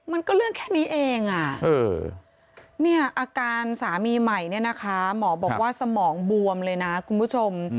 มันก็เรื่องแค่นี้เองอาการสามีใหม่หมอบอกว่าสมองบวมเลยนะคุณผู้ชม